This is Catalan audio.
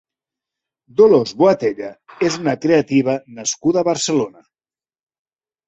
Dolors Boatella és una creativa nascuda a Barcelona.